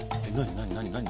何？